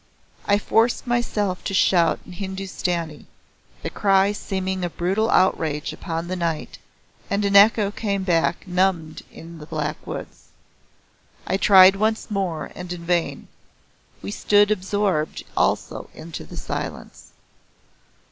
I forced myself to shout in Hindustani the cry seeming a brutal outrage upon the night, and an echo came back numbed in the black woods. I tried once more and in vain. We stood absorbed also into the silence.